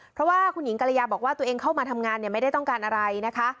เพราะว่าคุณหญิงกรยาบอกว่าตัวเองเข้ามาทำงานไม่ได้ต้องการอะไรนะคะ